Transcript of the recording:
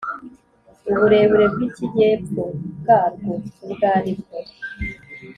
uburebure bw'ikijyepfo bwarwo ubwo ari bwo,